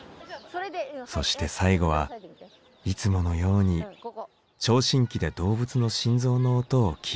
そして最後はいつものように聴診器で動物の心臓の音を聞いてもらいます。